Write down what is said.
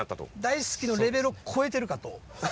大好きのレベルを超えてるかと。